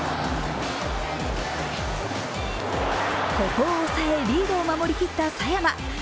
ここを抑え、リードを守り切った佐山。